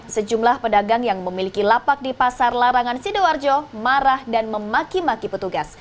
sejumlah pedagang yang memiliki lapak di pasar larangan sidoarjo marah dan memaki maki petugas